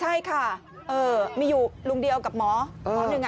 ใช่ค่ะมีอยู่ลุงเดียวกับหมอหมอหนึ่ง